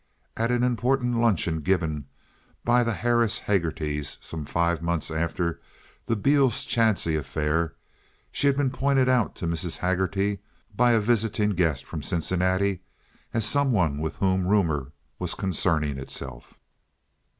At an important luncheon given by the Harris Haggertys, some five months after the Beales Chadsey affair, she had been pointed out to Mrs. Haggerty by a visiting guest from Cincinnati as some one with whom rumor was concerning itself.